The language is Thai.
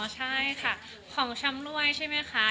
ใช่ค่ะของชำรวยใช่ไหมคะ